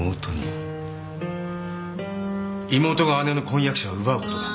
妹が姉の婚約者を奪うことだ。